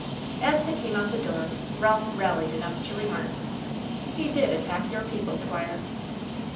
As they came out the door Ralph rallied enough to remark: "He did attack your people, Squire."